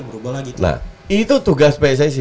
nah itu tugas pssi